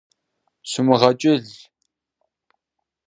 Сумыгъэкӏыл!